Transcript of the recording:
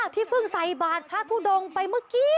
ที่เพิ่งใส่บาทพระทุดงไปเมื่อกี้